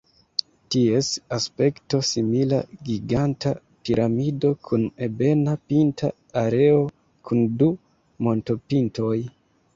Ties aspekto simila giganta piramido kun ebena pinta areo kun du montopintoj.